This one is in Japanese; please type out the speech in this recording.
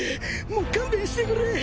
もう勘弁してくれ。